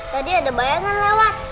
tadi ada bayangan lewat